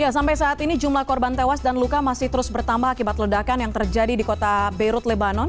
sampai saat ini jumlah korban tewas dan luka masih terus bertambah akibat ledakan yang terjadi di kota beirut lebanon